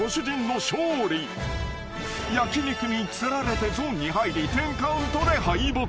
［焼き肉に釣られてゾーンに入り１０カウントで敗北。